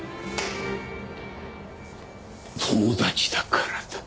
友達だからだ。